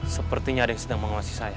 sepertinya ada yang sedang mengawasi saya